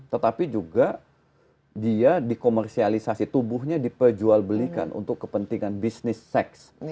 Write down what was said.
tetapi juga dia dikomersialisasi tubuhnya diperjualbelikan untuk kepentingan bisnis seks